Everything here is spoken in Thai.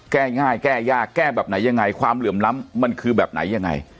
แก้ง่ายแก้ยากแก้แบบไหนยังไงความเหลื่อมล้ำมันคือแบบไหนยังไง